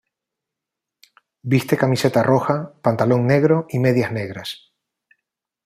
Viste camiseta roja, pantalón negro y medias negras.